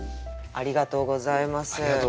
ありがとうございます。